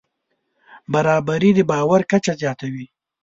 برابري د باور کچه زیاتوي.